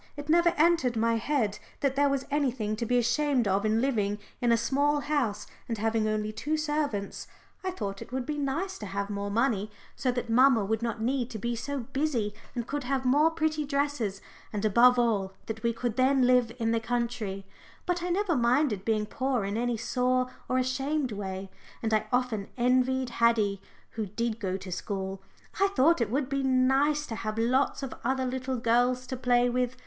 It never entered my head that there was anything to be ashamed of in living in a small house and having only two servants. I thought it would be nice to have more money, so that mamma would not need to be so busy and could have more pretty dresses, and above all that we could then live in the country, but I never minded being poor in any sore or ashamed way. And I often envied Haddie, who did go to school. I thought it would be nice to have lots of other little girls to play with.